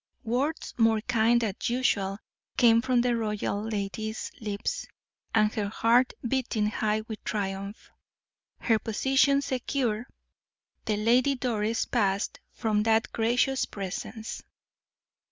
Words more kind than usual came from the royal lady's lips, and her heart beating high with triumph, her position secure, the Lady Doris passed from that gracious presence.